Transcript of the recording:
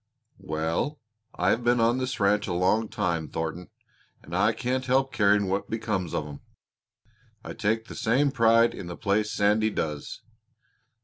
"Well, I have been on this ranch a long time, Thornton, and I can't help caring what becomes of 'em. I take the same pride in the place Sandy does.